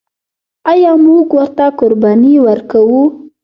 آیا موږ ورته قرباني ورکوو؟